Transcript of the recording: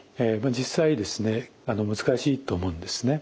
実際難しいと思うんですね。